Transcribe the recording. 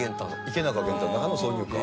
『池中玄太』の中の挿入歌。